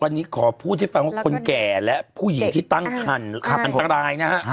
วันนี้ขอพูดให้ฟังว่าคนแก่และผู้หญิงที่ตั้งคันอันตรายนะฮะ